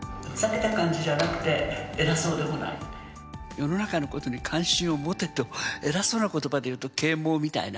世の中の事に関心を持てと偉そうな言葉でいうと啓蒙みたいな。